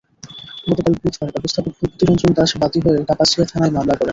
গতকাল বুধবার ব্যবস্থাপক ভূপতি রঞ্জন দাস বাদী হয়ে কাপাসিয়া থানায় মামলা করেন।